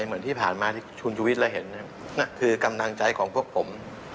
เหมือนที่ผ่านมาที่คุณชุวิตและเห็นนั่นคือกำลังใจของพวกผม